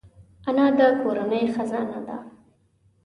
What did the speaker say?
انا د کورنۍ خزانه ده